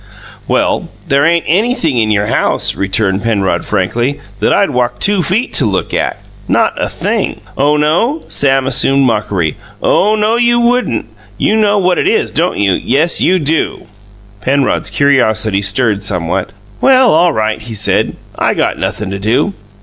"Well, there ain't anything in your house," returned Penrod frankly, "that I'd walk two feet to look at not a thing!" "Oh, no!" Sam assumed mockery. "Oh, no, you wouldn't! You know what it is, don't you? Yes, you do!" Penrod's curiosity stirred somewhat. "Well, all right," he said, "I got nothin' to do.